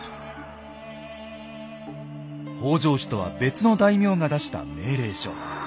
北条氏とは別の大名が出した命令書。